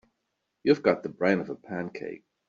You've got the brain of a pancake.